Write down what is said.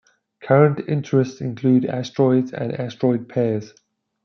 Current interests include asteroids and asteroid pairs.